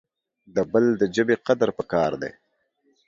د بل دژبي قدر پکار د